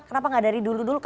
kenapa gak dari dulu dulu